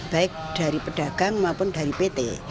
baik dari pedagang maupun dari pt